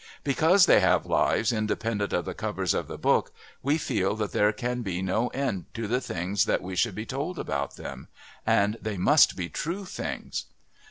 Because they have lives independent of the covers of the book we feel that there can be no end to the things that we should be told about them, and they must be true things.